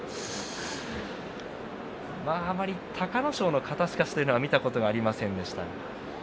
隆の勝の肩すかしはあまり見たことがありませんでした。